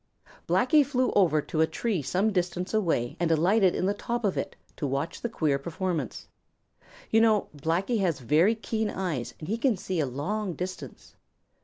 Blacky flew over to a tree some distance away and alighted in the top of it to watch the queer performance. You know Blacky has very keen eyes and he can see a long distance.